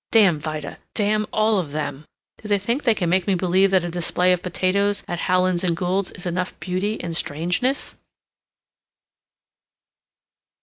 Damn Vida! Damn all of them! Do they think they can make me believe that a display of potatoes at Howland & Gould's is enough beauty and strangeness?"